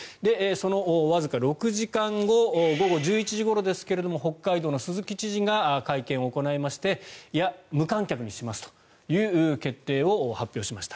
そのわずか６時間後午後１１時ごろですけれども北海道の鈴木知事が会見を行いまして無観客にしますという決定を発表しました。